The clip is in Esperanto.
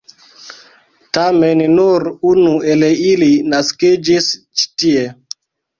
Tamen, nur unu el ili naskiĝis ĉi tie.